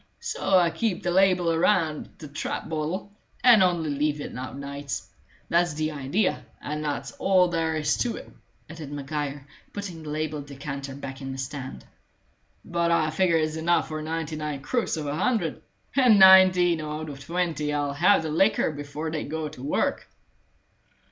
So I keep the label around the trap bottle, and only leave it out nights. That's the idea, and that's all there is to it," added Maguire, putting the labelled decanter back in the stand. "But I figure it's enough for ninety nine crooks out of a hundred, and nineteen out of twenty 'll have their liquor before they go to work."